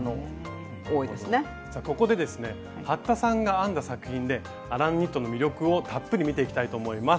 ここでですね服田さんが編んだ作品でアランニットの魅力をたっぷり見ていきたいと思います。